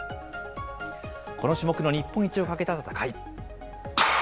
この種目の日本一をかけた戦い。